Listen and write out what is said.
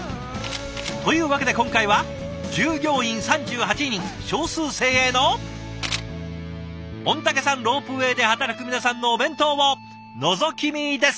というわけで今回は従業員３８人少数精鋭の御嶽山ロープウェイで働く皆さんのお弁当をのぞき見です！